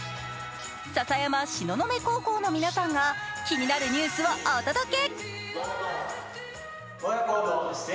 篠山東雲高校の皆さんが気になるニュースをお届け。